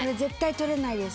取れないです。